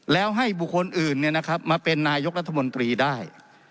แล้วให้บุคคลอื่นเนี่ยนะครับมาเป็นนายกรัฐมนตรีได้